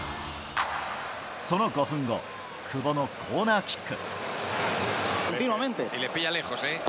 その５分後、久保のコーナーキック。